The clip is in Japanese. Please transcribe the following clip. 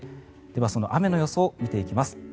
では、その雨の予想を見ていきます。